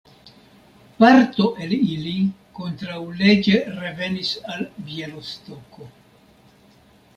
Parto el ili kontraŭleĝe revenis al Bjalistoko.